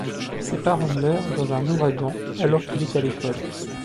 Ses parents meurent dans un ouragan alors qu'il est à l'école.